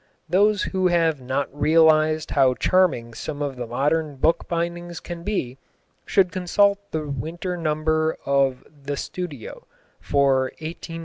Those who have not realised how charming some of the modern bookbindings can be, should consult the winter number of The Studio for 1899 1900.